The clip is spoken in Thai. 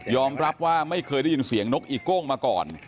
รับว่าไม่เคยได้ยินเสียงนกอีโก้งมาก่อน